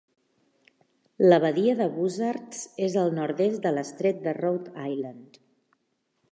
La badia de Buzzards és al nord-est de l'estret de Rhode Island.